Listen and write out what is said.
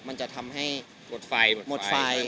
มันจะทำให้หมดไฟ